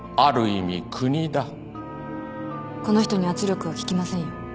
この人に圧力は効きませんよ。